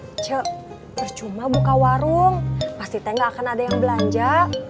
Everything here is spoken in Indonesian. kecil percuma buka warung pasti teh gak akan ada yang belanja